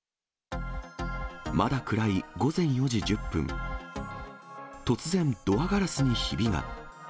まだ暗い午前４時１０分、突然、ドアガラスにひびが。